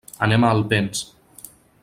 Anem a Alpens.